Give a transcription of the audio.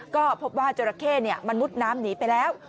ก็พบว่าเจอร์ราเค่เนี่ยมนุษย์น้ำหนีไปแล้ว